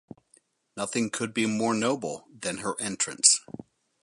Nothing could be more noble than her entrance.